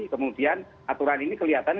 kemudian aturan ini kelihatan